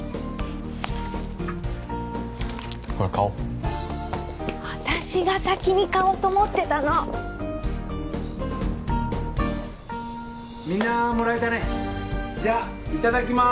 これ買おう私が先に買おうと思ってたのみんなもらえたねじゃあいただきます